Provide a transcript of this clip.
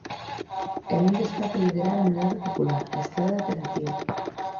E non descarta liderar a unidade popular, a esquerda alternativa.